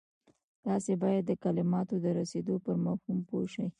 تاسې بايد د کلماتو د رسېدو پر مفهوم پوه شئ.